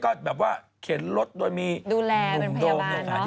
เออลดเข็นไปในตัวด้วย